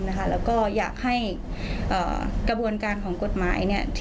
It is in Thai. แล้วก็อยากให้กระบวนการของกฎหมาย